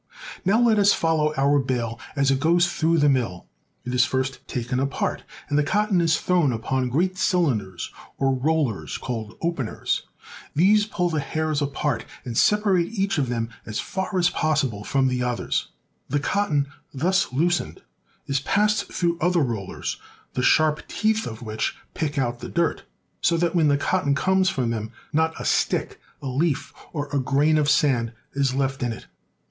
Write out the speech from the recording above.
^ Now let us follow our bale as it goes through the mill. It is first taken apart, and the cotton is thrown upon great cylinders or rollers called openers. These pull the hairs COTTON FACTORIES. 117 apart and separate each of them as far as possible from the others. The cotton thus loosened is passed through other rollers the sharp teeth of which pick out the dirt, so that when the cotton comes from them not a stick, a leaf, or a grain of sand is left in it.